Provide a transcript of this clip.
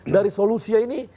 dari solusinya ini